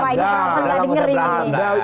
kita akan dengar ini